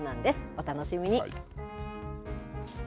お楽しみに。